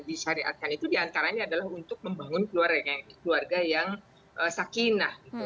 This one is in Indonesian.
disyariatkan itu diantaranya adalah untuk membangun keluarga yang sakinah